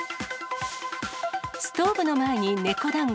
ストーブの前に猫だんご。